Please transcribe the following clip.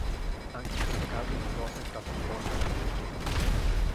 Anche in questo caso il pilota è stato a sua volta abbattuto.